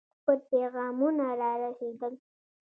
پټ پیغامونه را رسېدل.